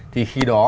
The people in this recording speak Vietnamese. thì khi đó